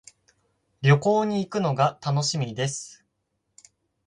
旅行に行くのが楽しみです。